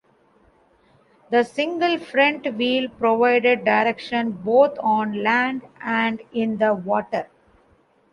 The single front wheel provided direction, both on land and in the water.